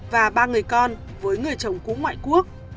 và ba người con với người chồng cũ ngoại quốc